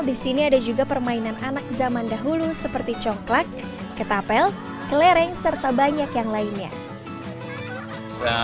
di sini ada juga permainan anak zaman dahulu seperti congklak ketapel kelereng serta banyak yang lainnya